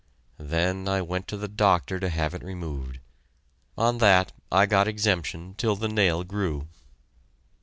Then I went to the doctor to have it removed. On that I got exemption till the nail grew.